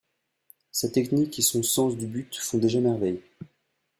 Sa technique et son sens du but font déjà merveille.